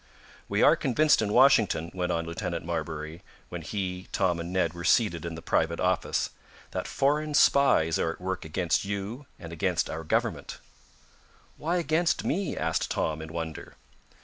"We are convinced in Washington," went on Lieutenant Marbury, when he, Tom and Ned were seated in the private office, "that foreign spies are at work against you and against our government." "Why against me?" asked Tom, in wonder.